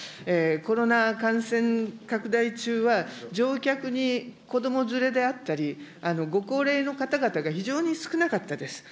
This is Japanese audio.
コロナ感染拡大中は、乗客に子ども連れであったり、ご高齢の方々が非常に少なかったです。